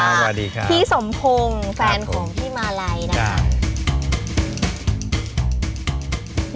สวัสดีครับพี่สมพงศ์แฟนของพี่มาลัยนะคะ